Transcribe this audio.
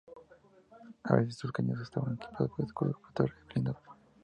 A veces, estos cañones estaban equipados con un escudo protector blindado.